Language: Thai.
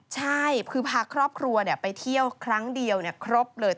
ใช่คือพาครอบครัวไปเที่ยวครั้งเดียวครบเลย